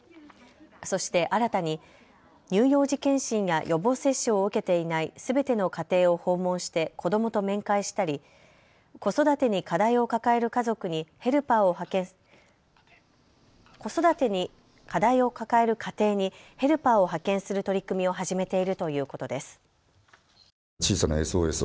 そして新たに乳幼児検診や予防接種を受けていないすべての家庭を訪問して子どもと面会したり子育てに課題を抱える家庭にヘルパーを派遣する取り組みを始めているということです。